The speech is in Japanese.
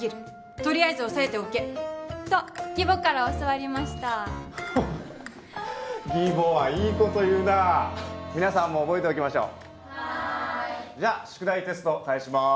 とりあえず押さえておけと義母から教わりました義母はいいこと言うなあ皆さんも覚えておきましょうはいじゃ宿題テスト返しまーす